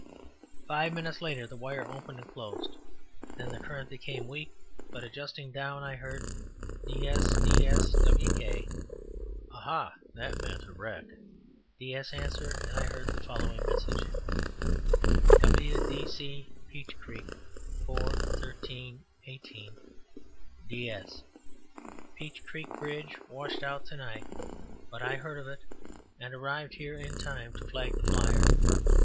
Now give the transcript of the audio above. Five minutes later the wire opened and closed. Then the current became weak, but adjusting down, I heard, "DS, DS, WK." Ah! that meant a wreck. "DS" answered and I heard the following message: "W. D. C. "PEACH CREEK, 4 | 13, 18 "DS. "Peach Creek bridge washed out to night, but I heard of it and arrived here in time to flag the flyer.